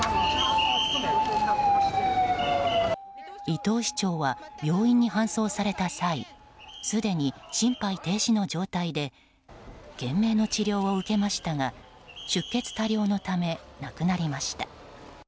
伊藤市長は病院に搬送された際すでに心肺停止の状態で懸命の治療を受けましたが出血多量のため亡くなりました。